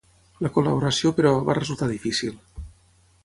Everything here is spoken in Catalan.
La col·laboració, però, va resultar difícil.